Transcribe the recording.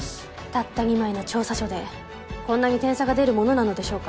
たった２枚の調査書でこんなに点差が出るものなのでしょうか？